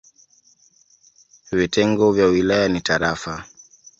Vitengo vya wilaya ni tarafa.